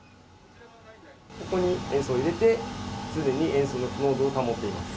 ここに塩素を入れて、常に塩素の濃度を保っています。